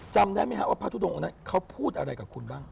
จำได้ไหมครับว่าพระทุดงองค์นั้นเขาพูดอะไรกับคุณบ้าง